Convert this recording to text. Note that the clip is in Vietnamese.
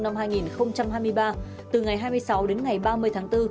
năm hai nghìn hai mươi ba từ ngày hai mươi sáu đến ngày ba mươi tháng bốn